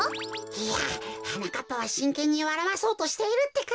いやはなかっぱはしんけんにわらわそうとしているってか。